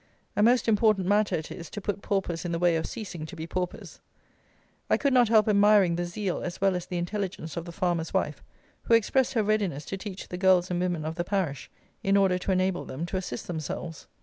A most important matter it is, to put paupers in the way of ceasing to be paupers. I could not help admiring the zeal as well as the intelligence of the farmer's wife, who expressed her readiness to teach the girls and women of the parish, in order to enable them to assist themselves.